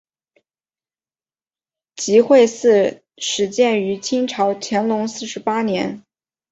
集惠寺始建于清朝乾隆四十八年。